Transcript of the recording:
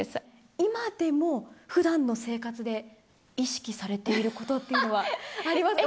今でも、ふだんの生活で意識されていることっていうのはありますか？